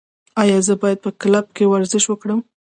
ایا زه باید په کلب کې ورزش وکړم؟